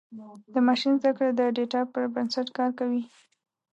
د ماشین زدهکړه د ډیټا پر بنسټ کار کوي.